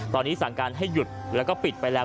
ตอนนี้สั่งการให้หยุดแล้วก็ปิดไปแล้ว